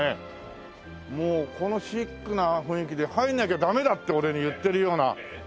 もうこのシックな雰囲気で入らなきゃダメだって俺に言ってるような。